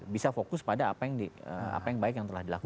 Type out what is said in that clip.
bisa fokus pada apa yang baik yang telah dilakukan